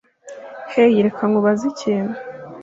Hey reka nkubaze ikintu